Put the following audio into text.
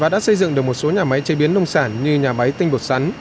đã xây dựng được một số nhà máy chế biến nông sản như nhà máy tinh bột sắn